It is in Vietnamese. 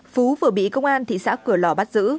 phú vừa bị công an thị xã cửa lò bắt giữ